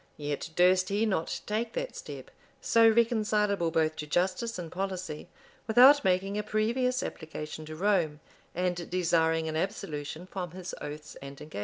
Yet durst he not take that step, so reconcilable both to justice and policy, without making a previous application to Rome, and desiring an absolution from his oaths and engagements.